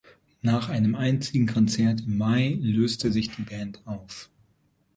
Nach einem einzigen Konzert im Mai löste sich die Band auf.